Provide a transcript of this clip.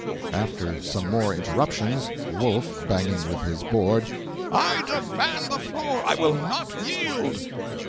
After some more interruptions: Wolf (banging with his board). 'I demand the floor. I will not yield!'